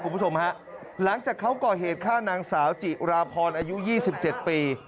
คุณผู้ชมฮะหลังจากเขาก่อเหตุฆ่านางสาวจิราพรอายุ๒๗ปี